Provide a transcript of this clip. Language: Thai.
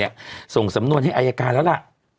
ส่งสำนวนให้อายการแล้วล่ะ